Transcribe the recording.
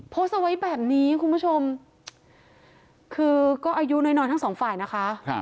โพสต์เอาไว้แบบนี้คุณผู้ชมคือก็อายุน้อยทั้งสองฝ่ายนะคะ